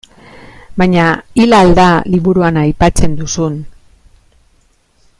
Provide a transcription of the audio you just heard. Baina hil al da liburuan aipatzen duzun.